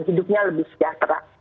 hidupnya lebih sejahtera